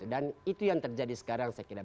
dan itu yang terjadi sekarang saya kira